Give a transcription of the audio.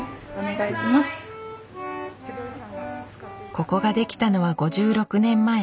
ここが出来たのは５６年前。